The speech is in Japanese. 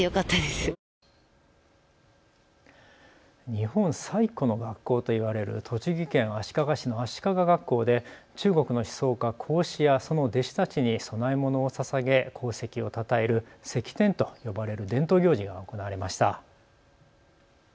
日本最古の学校といわれる栃木県足利市の足利学校で中国の思想家、孔子やその弟子たちに供え物をささげ功績をたたえる釋奠と呼ばれる伝統行事が行われました。